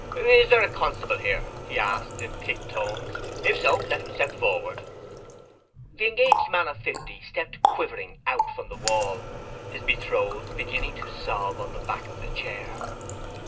'Is there a constable here?' he asked, in thick tones. 'If so, let him step forward.' The engaged man of fifty stepped quavering out from the wall, his betrothed beginning to sob on the back of the chair.